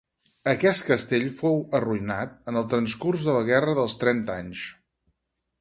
Aquest castell fou arruïnat en el transcurs de la guerra dels Trenta Anys.